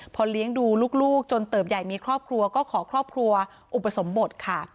พอเลี้ยงดูลูกจนเติบใหญ่มีครอบครัวก็ขอครอบครัวอุปสมบทค่ะ